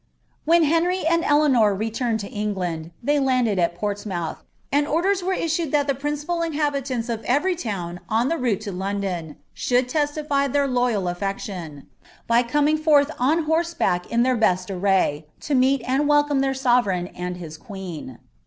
ITUta Satj and Eleanor returned to England, they landed al Portsmouth, anil coin were issued thai the principal iuhabilanls of every town on tbe toWM bjndon should testify their loyal aflectioa, by coming forth on boW back in their best array, to meet and welcome their sovereign ind Ul queen.'